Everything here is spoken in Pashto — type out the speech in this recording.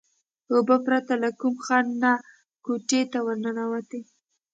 اوبه پرته له کوم خنډ نه کوټې ته ورننوتې.